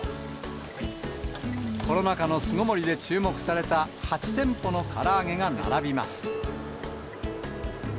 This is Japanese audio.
コロナ禍の巣ごもりで注目された８店舗のから揚げが並びます。